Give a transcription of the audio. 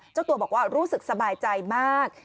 เจ้าตัวบอกว่ารู้สึกสบายใจมาก